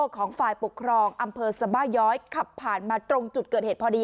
ของฝ่ายปกครองอำเภอสบาย้อยขับผ่านมาตรงจุดเกิดเหตุพอดี